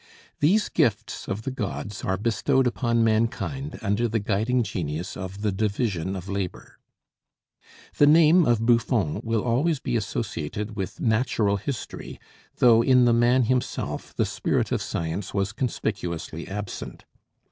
These gifts of the gods are bestowed upon mankind under the guiding genius of the division of labor. The name of Buffon will always be associated with natural history, though in the man himself the spirit of science was conspicuously absent.